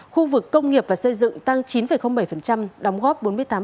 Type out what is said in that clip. khu vực công nghiệp và xây dựng tăng chín bảy đóng góp bốn mươi tám